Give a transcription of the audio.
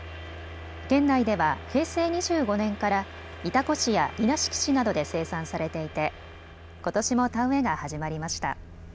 県内では平成２５年から潮来市や稲敷市などで生産されていて、ことしも田植えが始まりました。